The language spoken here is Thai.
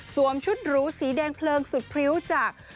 ชุดหรูสีแดงเพลิงสุดพริ้วจาก